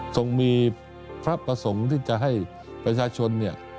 ทรงมีพระประสงค์ที่จะให้ประชาชนเนี่ย